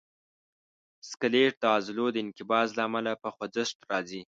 سکلیټ د عضلو د انقباض له امله په خوځښت راځي.